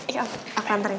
iya om aku nantarin